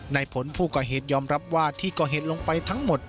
ในผลผู้ก่อเหตุยอมรับว่าที่ก่อเหตุลงไปทั้งหมด